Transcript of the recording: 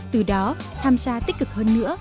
từ đó tham gia tích cực hơn nữa